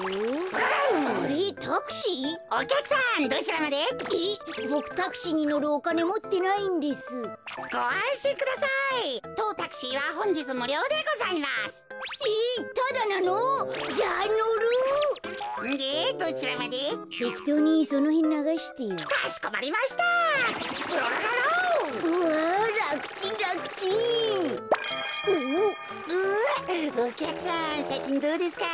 うわっおきゃくさんさいきんどうですか？